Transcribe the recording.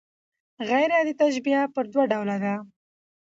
غير عادي تشبیه پر دوه ډوله ده.